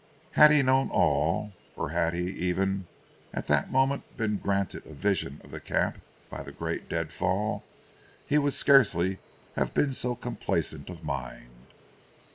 Had he known all, or had he even at that moment been granted a vision of the camp by the great deadfall, he would scarcely have been so complacent of mind.